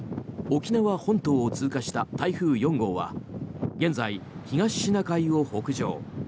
沖縄本島を通過した台風４号は現在、東シナ海を北上。